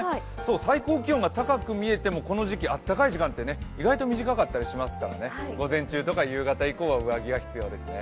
最高気温が高く見えてもこの時期暖かい時間って意外と短かったりしますから午前中とか夕方以降は上着が必要ですね。